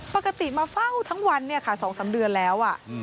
ปกติมาเฝ้าทั้งวัน๒๓เดือนแล้ว